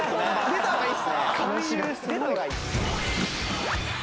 出た方がいい。